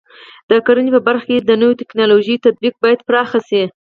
د کرنې په برخه کې د نوو ټکنالوژیو تطبیق باید پراخ شي.